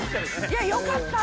いやよかった。